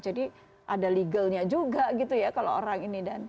jadi ada legalnya juga gitu ya kalau orang ini